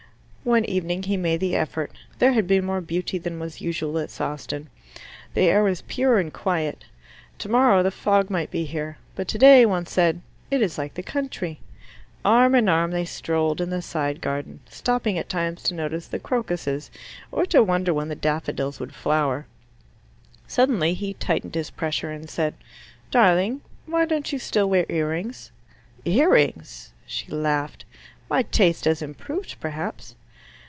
One evening he made the effort. There had been more beauty than was usual at Sawston. The air was pure and quiet. Tomorrow the fog might be here, but today one said, "It is like the country." Arm in arm they strolled in the side garden, stopping at times to notice the crocuses, or to wonder when the daffodils would flower. Suddenly he tightened his pressure, and said, "Darling, why don't you still wear ear rings?" "Ear rings?" She laughed. "My taste has improved, perhaps."